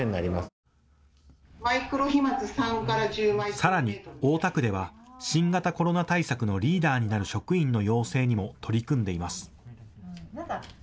さらに、大田区では新型コロナ対策のリーダーになる職員の養成にも取り組んでいます。